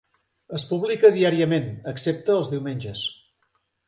Es publica diàriament, excepte els diumenges.